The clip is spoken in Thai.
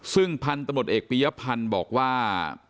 ซึ่งพันธุ์ตำรวจเอกปียพันธ์บอกว่า